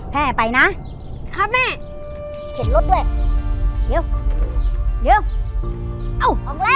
แม่ไปนะครับแม่เข็นรถด้วยเดี๋ยวเดี๋ยวเอ้าออกแล้ว